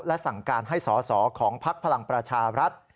และสั่งการให้สอสอของพักพลังประชารัฐ